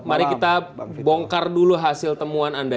mari kita bongkar dulu hasil temuan anda